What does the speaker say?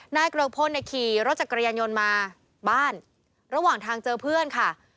เกริกพลเนี่ยขี่รถจักรยานยนต์มาบ้านระหว่างทางเจอเพื่อนค่ะ